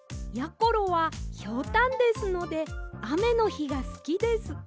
ころはひょうたんですのであめのひがすきです。